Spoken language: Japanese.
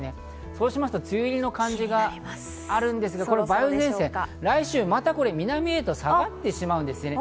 そうしますと、梅雨入りの感じがあるんですが、梅雨前線、来週またこれ南へ下がってしまうんですね。